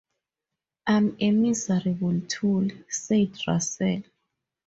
"I'm a miserable tool," said Russell.